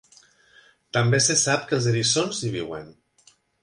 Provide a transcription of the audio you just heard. També se sap que els eriçons hi viuen.